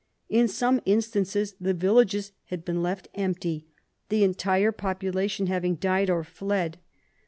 In some instances the villages had been left empty, the entire population having died or fled.